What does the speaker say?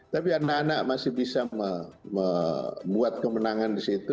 tapi anak anak masih bisa membuat kemenangan di situ